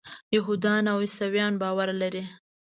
یهودان او عیسویان باور لري.